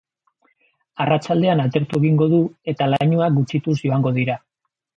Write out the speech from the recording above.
Arratsaldean atertu egingo du, eta lainoak gutxituz joango dira.